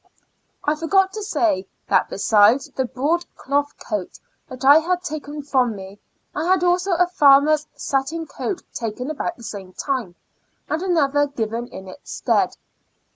I forgot to say, that be sides the broadcloth coat that I had taken from me, I had also a farmer's satin coat taken about the same time, and another given in its stead.